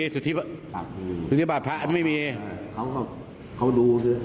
เขาก็ดูลักษณะนี้เขาไม่เวลาวาด